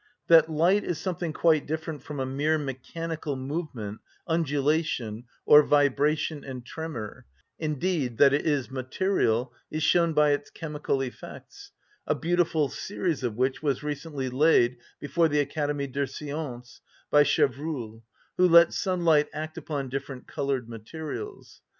That light is something quite different from a mere mechanical movement, undulation, or vibration and tremor, indeed that it is material, is shown by its chemical effects, a beautiful series of which was recently laid before the Académie des sciences by Chevreul, who let sunlight act upon different coloured materials.